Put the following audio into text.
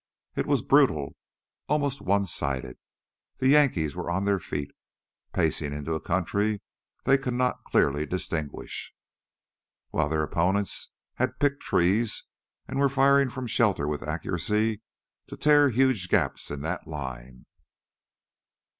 It was brutal, almost one sided. The Yankees were on their feet, pacing into a country they could not clearly distinguish. While their opponents had "picked trees" and were firing from shelter with accuracy to tear huge gaps in that line.